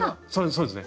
そうですね。